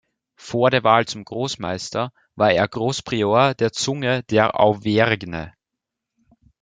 Vor der Wahl zum Großmeister war er Großprior der Zunge der Auvergne.